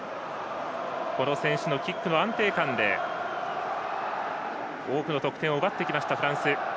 ラモスのキックの安定感で多くの得点を奪ってきたフランス。